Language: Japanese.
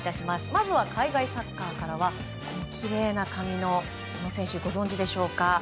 まずは海外サッカーからはきれいな髪の、この選手ご存じでしょうか。